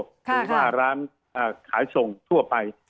หรือว่าร้านขายส่งทั่วไป